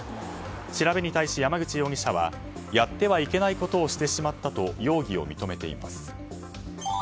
調べに対し、山口容疑者はやってはいけないことをしてしまったと容疑を認めています。